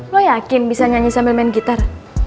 lo yakin bisa nyanyi sambil main gitar